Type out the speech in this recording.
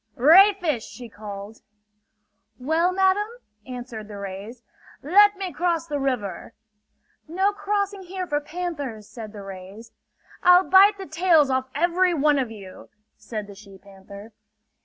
"Ray fish!" she called. "Well, madam?" answered the rays. "Let me cross the river!" "No crossing here for panthers!" said the rays. "I'll bite the tails off every one of you!" said the she panther.